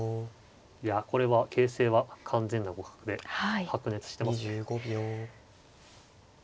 いやこれは形勢は完全な互角で白熱してますね。